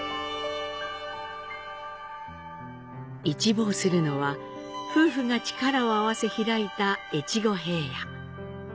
一望するのは、夫婦が力を合わせひらいた越後平野。